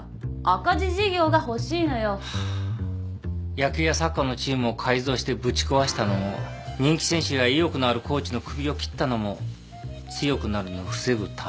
野球やサッカーのチームを改造してぶち壊したのも人気選手や意欲のあるコーチの首を切ったのも強くなるのを防ぐため。